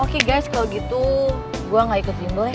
oke guys kalau gitu gue gak ikut tim boleh